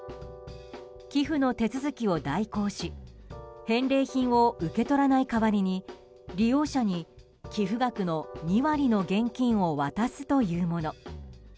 寄付の手続きを代行し返礼品を受け取らない代わりに利用者の寄付額の２割の現金を渡すというもの。